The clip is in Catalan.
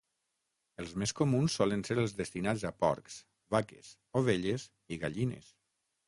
Els més comuns solen ser els destinats a porcs, vaques, ovelles i gallines.